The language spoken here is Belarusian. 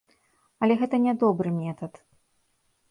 Але гэта не добры метад.